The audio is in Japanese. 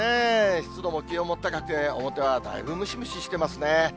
湿度も気温も高くて、表はだいぶムシムシしてますね。